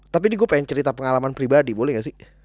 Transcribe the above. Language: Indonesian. tapi diego pengen cerita pengalaman pribadi boleh gak sih